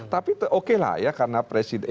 tapi oke lah ya karena presiden